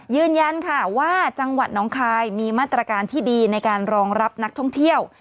ยืนยันค่ะว่าจังหวัดน้องคายมีมาตรการที่ดีในการรองรับนักท่องเที่ยว